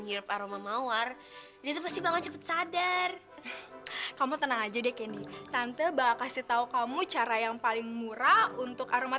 hari ini aku bawa mawar buat kamu